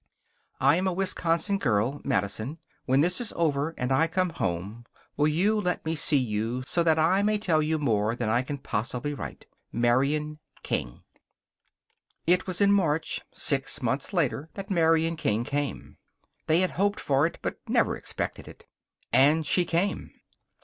I am a Wisconsin girl Madison. When this is over and I come home, will you let me see you so that I may tell you more than I can possibly write? MARIAN KING It was in March, six months later, that Marian King came. They had hoped for it, but never expected it. And she came.